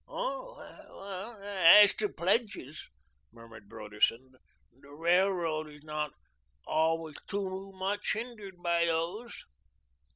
"Oh, as to pledges," murmured Broderson, "the railroad is not always TOO much hindered by those."